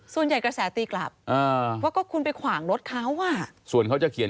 ส่วนใหญ่กระแสตีกลับเออว่าก็คุณไปขวางรถเขาอะส่วนเขาจะเขียน